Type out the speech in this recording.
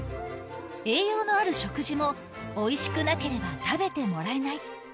栄養のある食事も、おいしくなければ食べてもらえない。